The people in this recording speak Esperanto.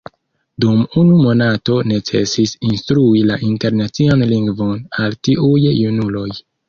Dum unu monato necesis instrui la Internacian Lingvon al tiuj junuloj.